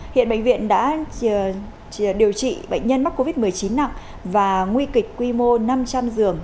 hiện bệnh viện đã điều trị bệnh nhân mắc covid một mươi chín nặng và nguy kịch quy mô năm trăm linh giường